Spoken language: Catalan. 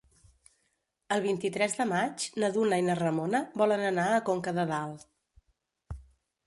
El vint-i-tres de maig na Duna i na Ramona volen anar a Conca de Dalt.